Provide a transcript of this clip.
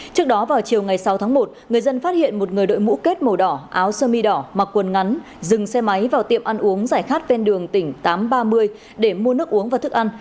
trước đó vào chiều ngày sáu tháng một người dân phát hiện một người đội mũ kết màu đỏ áo sơ mi đỏ mặc quần ngắn dừng xe máy vào tiệm ăn uống giải khát ven đường tỉnh tám trăm ba mươi để mua nước uống và thức ăn